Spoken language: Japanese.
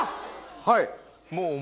はい。